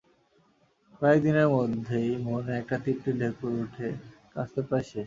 কয়েক দিনের মধ্যেই মনে একটা তৃপ্তির ঢেকুর ওঠে কাজ তো প্রায় শেষ।